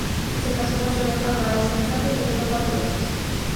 Se casó con Zulema Baeza Infante y tuvieron cuatro hijos.